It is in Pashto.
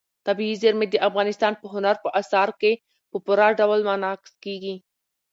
طبیعي زیرمې د افغانستان په هنر په اثار کې په پوره ډول منعکس کېږي.